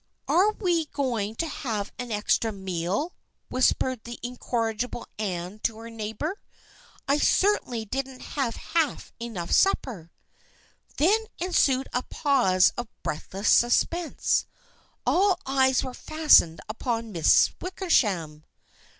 274 THE FRIENDSHIP OF ANNE " Are we going to have an extra meal ?" whis pered the incorrigible Anne to her neighbor. " I certainly didn't have half enough supper." Then ensued a pause of breathless suspense. All eyes were fastened upon Miss Wickersham.